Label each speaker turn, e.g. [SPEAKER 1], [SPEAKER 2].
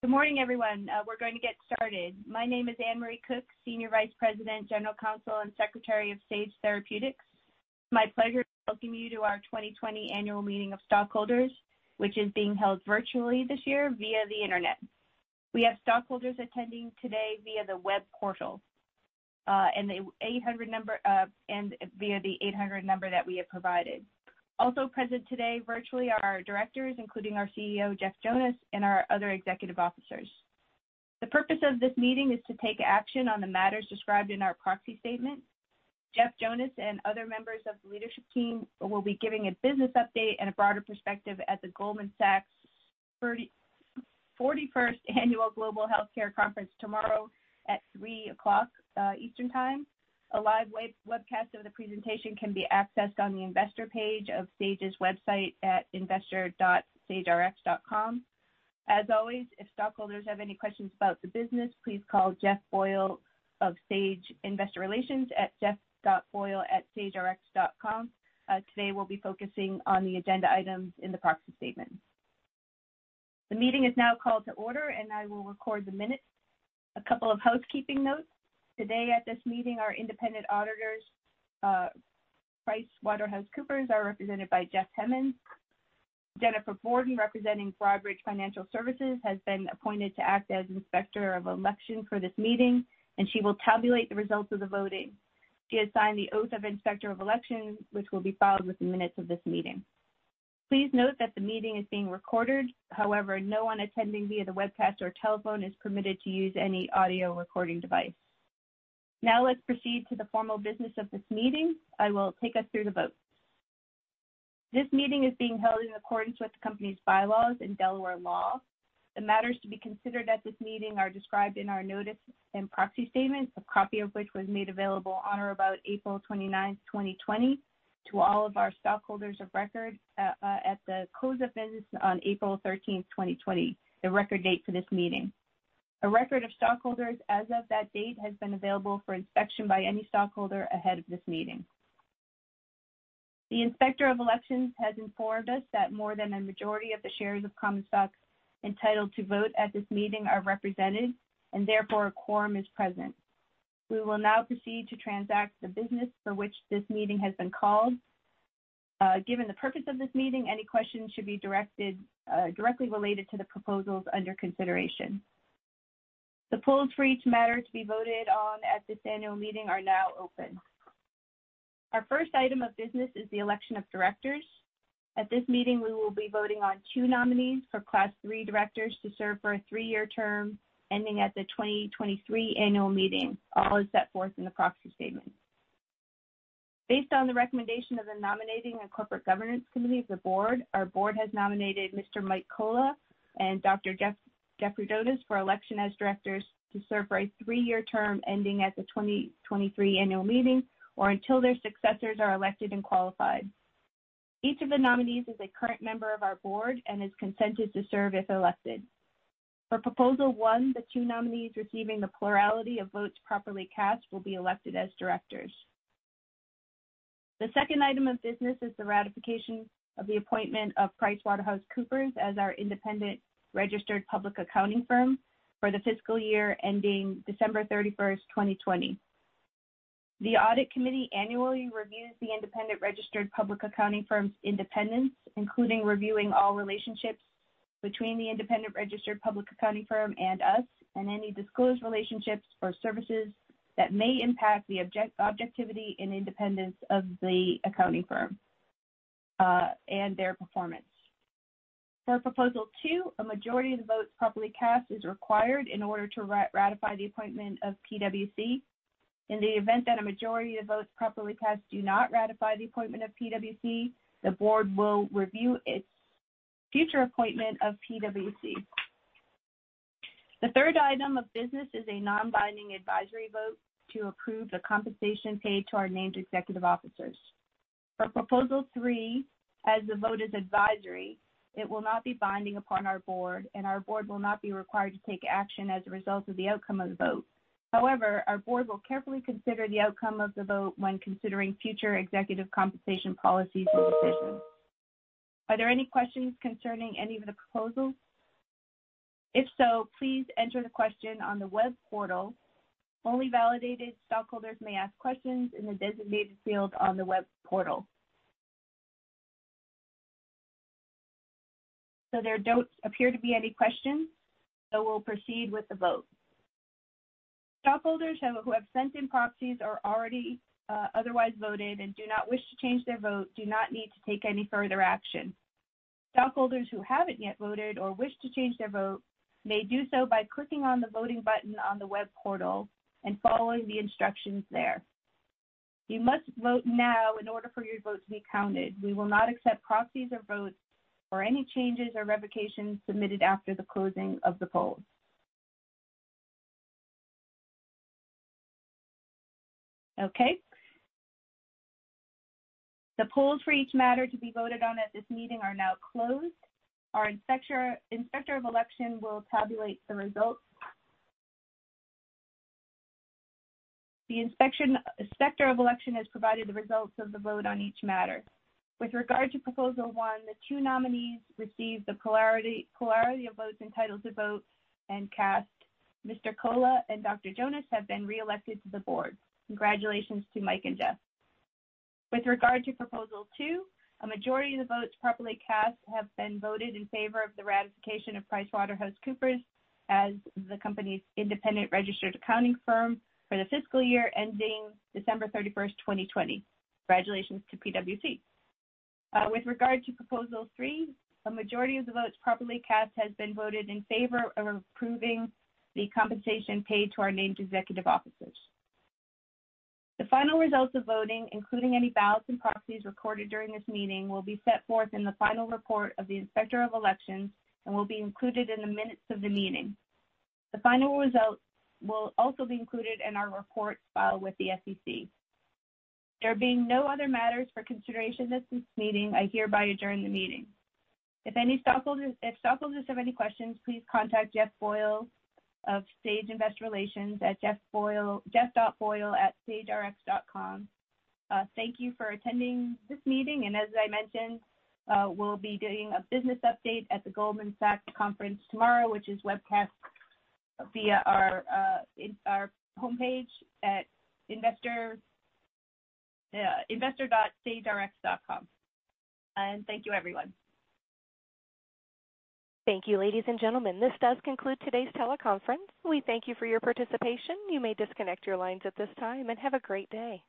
[SPEAKER 1] Good morning, everyone. We're going to get started. My name is Anne Marie Cook, Senior Vice President, General Counsel, and Secretary of Sage Therapeutics. It's my pleasure to welcome you to our 2020 Annual Meeting of Stockholders, which is being held virtually this year via the internet. We have stockholders attending today via the web portal, and via the 800 number that we have provided. Also present today virtually are our directors, including our CEO, Jeff Jonas, and our other executive officers. The purpose of this meeting is to take action on the matters described in our proxy statement. Jeff Jonas and other members of the leadership team will be giving a business update and a broader perspective at the Goldman Sachs 41st Annual Global Healthcare Conference tomorrow at 3:00 P.M. eastern time. A live webcast of the presentation can be accessed on the investor page of Sage's website at investor.sagerx.com. As always, if stockholders have any questions about the business, please call Jeff Boyle of Sage Investor Relations at jeff.boyle@sagerx.com. Today we'll be focusing on the agenda items in the proxy statement. The meeting is now called to order, and I will record the minutes. A couple of housekeeping notes. Today at this meeting, our independent auditors, PricewaterhouseCoopers, are represented by Jeff Hemman. Jennifer Borden, representing Broadridge Financial Solutions, has been appointed to act as Inspector of Election for this meeting, and she will tabulate the results of the voting. She has signed the Oath of Inspector of Elections, which will be filed with the minutes of this meeting. Please note that the meeting is being recorded. However, no one attending via the webcast or telephone is permitted to use any audio recording device. Now let's proceed to the formal business of this meeting. I will take us through the votes. This meeting is being held in accordance with the company's bylaws and Delaware law. The matters to be considered at this meeting are described in our notice and proxy statement, a copy of which was made available on or about April 29th, 2020, to all of our stockholders of record at the close of business on April 13th, 2020, the record date for this meeting. A record of stockholders as of that date has been available for inspection by any stockholder ahead of this meeting. The Inspector of Election has informed us that more than a majority of the shares of common stocks entitled to vote at this meeting are represented, and therefore a quorum is present. We will now proceed to transact the business for which this meeting has been called. Given the purpose of this meeting, any questions should be directly related to the proposals under consideration. The polls for each matter to be voted on at this annual meeting are now open. Our first item of business is the election of directors. At this meeting, we will be voting on two nominees for Class III directors to serve for a three-year term ending at the 2023 annual meeting, all as set forth in the proxy statement. Based on the recommendation of the Nominating and Corporate Governance Committee of the board, our board has nominated Mr. Mike Cola and Dr. Jeffrey Jonas for election as directors to serve for a three-year term ending at the 2023 annual meeting, or until their successors are elected and qualified. Each of the nominees is a current member of our board and has consented to serve if elected. For Proposal One, the two nominees receiving the plurality of votes properly cast will be elected as directors. The second item of business is the ratification of the appointment of PricewaterhouseCoopers as our independent registered public accounting firm for the fiscal year ending December 31st, 2020. The Audit Committee annually reviews the independent registered public accounting firm's independence, including reviewing all relationships between the independent registered public accounting firm and us, and any disclosed relationships or services that may impact the objectivity and independence of the accounting firm and their performance. For Proposal Two, a majority of the votes properly cast is required in order to ratify the appointment of PwC. In the event that a majority of votes properly cast do not ratify the appointment of PwC, the Board will review its future appointment of PwC. The third item of business is a non-binding advisory vote to approve the compensation paid to our named executive officers. For Proposal Three, as the vote is advisory, it will not be binding upon our Board, and our Board will not be required to take action as a result of the outcome of the vote. Our board will carefully consider the outcome of the vote when considering future executive compensation policies and decisions. Are there any questions concerning any of the proposals? If so, please enter the question on the web portal. Only validated stockholders may ask questions in the designated field on the web portal. There don't appear to be any questions, so we'll proceed with the vote. Stockholders who have sent in proxies or already otherwise voted and do not wish to change their vote do not need to take any further action. Stockholders who haven't yet voted or wish to change their vote may do so by clicking on the voting button on the web portal and following the instructions there. You must vote now in order for your vote to be counted. We will not accept proxies or votes or any changes or revocations submitted after the closing of the polls. Okay. The polls for each matter to be voted on at this meeting are now closed. Our Inspector of Election will tabulate the results. The Inspector of Election has provided the results of the vote on each matter. With regard to Proposal One, the two nominees received the plurality of votes entitled to vote and cast. Mr. Cola and Dr. Jonas have been reelected to the Board. Congratulations to Mike and Jeff. With regard to Proposal Two, a majority of the votes properly cast have been voted in favor of the ratification of PricewaterhouseCoopers as the company's independent registered accounting firm for the fiscal year ending December 31st, 2020. Congratulations to PwC. With regard to Proposal Three, a majority of the votes properly cast has been voted in favor of approving the compensation paid to our named executive officers. The final results of voting, including any ballots and proxies recorded during this meeting, will be set forth in the final report of the Inspector of Election and will be included in the minutes of the meeting. The final results will also be included in our reports filed with the SEC. There being no other matters for consideration at this meeting, I hereby adjourn the meeting. If stockholders have any questions, please contact Jeff Boyle of Sage Investor Relations at jeff.boyle@sagerx.com. Thank you for attending this meeting, and as I mentioned, we'll be doing a business update at the Goldman Sachs conference tomorrow, which is webcast via our homepage at investor.sagerx.com. Thank you, everyone.
[SPEAKER 2] Thank you, ladies and gentlemen. This does conclude today's teleconference. We thank you for your participation. You may disconnect your lines at this time, and have a great day.